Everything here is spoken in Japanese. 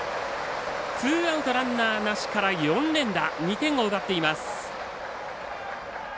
ツーアウト、ランナーなしから４連打、２点を奪っています。